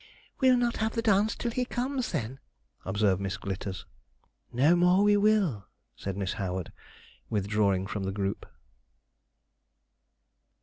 'We'll not have the dance till he comes, then,' observed Miss Glitters. 'No more we will,' said Miss Howard, withdrawing from the group.